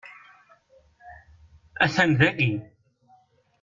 Atan dagi!